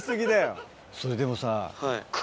それでもさ。